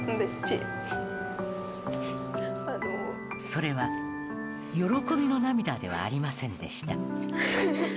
それは喜びの涙ではありませんでした。